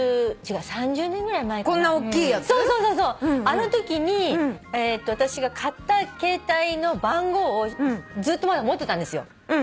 あのときに私が買った携帯の番号をずっとまだ持ってたんですよ。